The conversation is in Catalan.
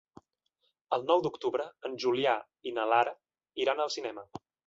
El nou d'octubre en Julià i na Lara iran al cinema.